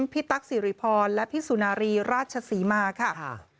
ตั๊กสิริพรและพี่สุนารีราชศรีมาค่ะ